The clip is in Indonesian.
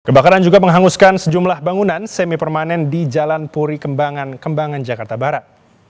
kebakaran juga menghanguskan sejumlah bangunan semi permanen di jalan puri kembangan kembangan jakarta barat